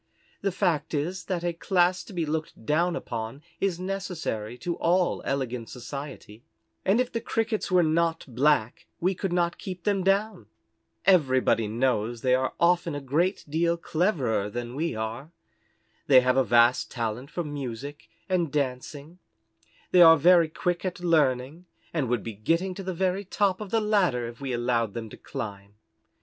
The fact is that a class to be looked down upon is necessary to all elegant society, and if the Crickets were not black we could not keep them down. Everybody knows they are often a great deal cleverer than we are. They have a vast talent for music and dancing; they are very quick at learning, and would be getting to the very top of the ladder if we allowed them to climb.